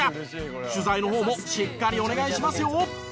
取材の方もしっかりお願いしますよ。